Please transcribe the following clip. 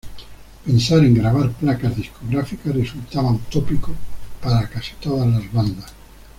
Pensar en grabar placas discográficas resultaba utópico para casi todas las bandas.